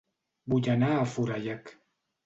Vull anar a Forallac